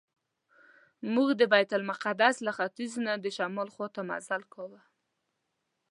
موږ د بیت المقدس له ختیځ نه د شمال خواته مزل کاوه.